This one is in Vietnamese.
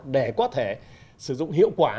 để có thể sử dụng hiệu quả